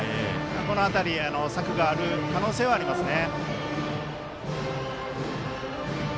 この辺り策がある可能性はありますね。